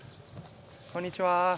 こんにちは。